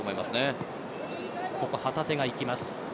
旗手が行きます。